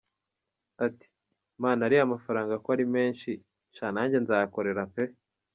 Ati: "Man ariya mafaranga ko ari menshi!!! Sha nanjye nzayakorera pe!!".